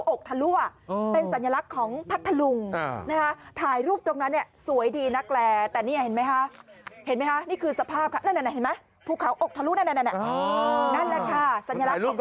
โอ้โฮโอ้โฮโอ้โฮโอ้โฮโอ้โฮโอ้โฮโอ้โฮโอ้โฮ